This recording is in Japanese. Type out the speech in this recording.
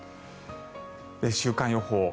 週間予報。